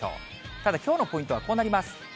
ただきょうのポイントはこうなります。